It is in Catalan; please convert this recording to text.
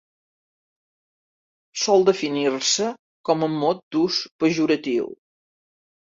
Sol definir-se com a mot d'ús pejoratiu.